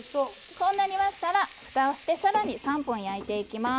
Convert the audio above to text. こうなりましたらふたをしてさらに３分焼いていきます。